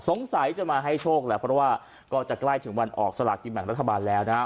สงสัยจะมาให้โชคแหละเพราะว่าก็จะใกล้ถึงวันออกสลากกินแบ่งรัฐบาลแล้วนะครับ